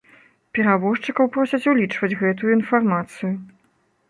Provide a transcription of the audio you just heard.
Перавозчыкаў просяць улічваць гэтую інфармацыю.